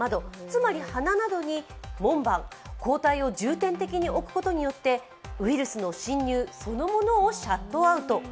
つまり鼻などに門番、抗体を重点的に置くことによってウイルスの侵入そのものをシャットアウト。